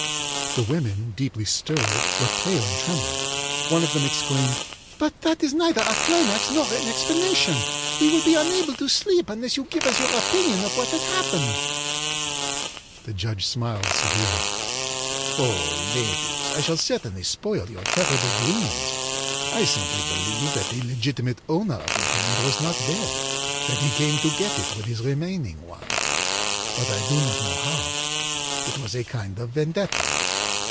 â The women, deeply stirred, were pale and trembling. One of them exclaimed: âBut that is neither a climax nor an explanation! We will be unable to sleep unless you give us your opinion of what had occurred.â The judge smiled severely: âOh! Ladies, I shall certainly spoil your terrible dreams. I simply believe that the legitimate owner of the hand was not dead, that he came to get it with his remaining one. But I don't know how. It was a kind of vendetta.